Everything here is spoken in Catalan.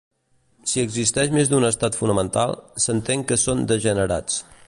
Si existeix més d'un estat fonamental, s'entén que són degenerats.